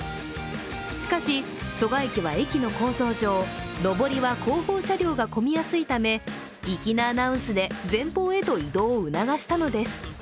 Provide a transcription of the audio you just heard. しかし蘇我駅は駅の構造上、上りは後方車両が混みやすいため粋なアナウンスで前方へと移動を促したのです。